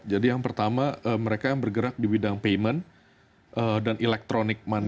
jadi yang pertama mereka yang bergerak di bidang payment dan electronic money